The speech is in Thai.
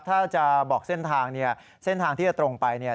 ถ้าจะบอกเส้นทางเนี่ยเส้นทางที่จะตรงไปเนี่ย